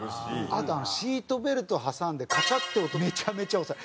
あとシートベルトを挟んでカチャッて音めちゃめちゃオシャレ。